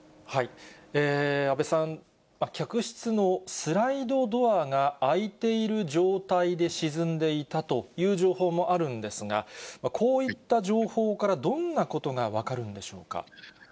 安倍さん、客室のスライドドアが開いている状態で沈んでいたという情報もあるんですが、こういった情報からどんなことが分かるんでしょうか。